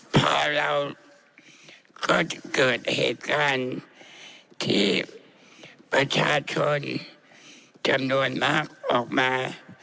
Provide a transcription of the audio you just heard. พอเราก็จะเกิดเหตุการณ์ที่ประชาชนจำนวนมากออกมา